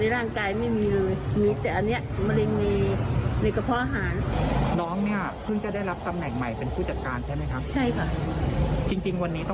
แรกที่ได้รับตำแหน่งผู้จัดการวันแรกแต่มาเกิดเหตุก่อนเนี่ย